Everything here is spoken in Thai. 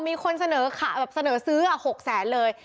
มีคนเสนอแบบเสนอซื้อ๖แสนเลย